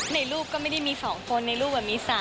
ในรูปก็ไม่ได้มี๒คนในรูปมี๓